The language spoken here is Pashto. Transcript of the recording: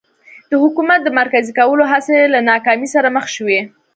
د حکومت د مرکزي کولو هڅې له ناکامۍ سره مخ شوې.